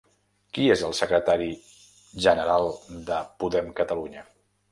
Qui és el secretari general de Podem Catalunya?